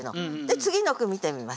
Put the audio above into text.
次の句見てみます